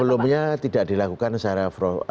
sebelumnya tidak dilakukan secara empat s principle